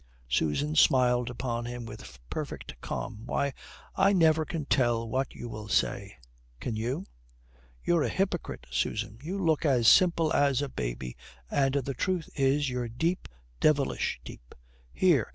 Susan smiled upon him with perfect calm. "Why, I never can tell what you will say. Can you?" "You're a hypocrite, Susan. You look as simple as a baby, and the truth is you're deep, devilish deep. Here!"